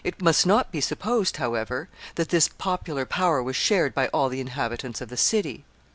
] It most not be supposed, however, that this popular power was shared by all the inhabitants of the city.